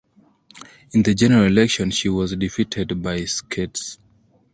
In the general election she was defeated by Scates.